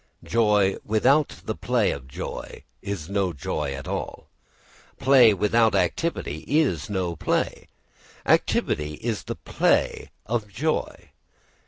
] Joy without the play of joy is no joy at all play without activity is no play. Activity is the play of joy.